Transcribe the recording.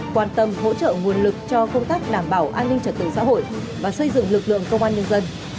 quan tâm hỗ trợ nguồn lực cho công tác đảm bảo an ninh trật tự xã hội và xây dựng lực lượng công an nhân dân